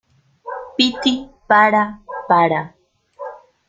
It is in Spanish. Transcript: piti, para , para.